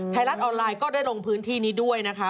ไทยรัฐออนไลน์ก็ได้ลงพื้นที่นี้ด้วยนะคะ